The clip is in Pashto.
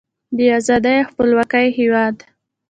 د ازادۍ او خپلواکۍ هیواد.